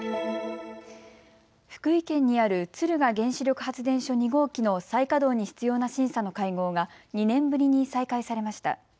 福井県にある敦賀原子力発電所２号機の再稼働に必要な審査の会合が２年ぶりに再開されました。